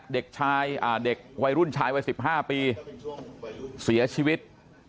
เด็กชายเด็กวัยรุ่นชายวัย๑๕ปีเสียชีวิต